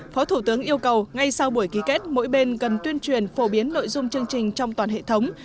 phó thủ tướng yêu cầu ngay sau buổi ký kết mỗi bên cần tuyên truyền phổ biến nội dung chương trình trong toàn hệ thống